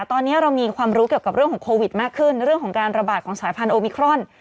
ตอนนี้เรามีความรู้เกี่ยวกับเรื่องของโควิดมากขึ้นเรื่องของการระบาดของสายพันธุมิครอน